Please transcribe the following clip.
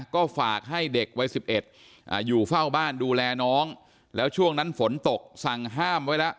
ก็ฝากให้เด็กวัย๑๑อยู่เฝ้าบ้านดูแลน้องแล้วช่วงนั้นฝนตกสั่งห้ามไว้แล้ว